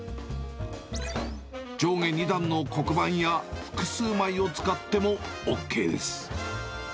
上下２段の黒板や、複数枚を使ってもＯＫです。